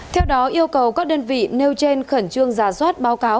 theo đó yêu cầu các đơn vị nêu trên khẩn trương giả soát báo cáo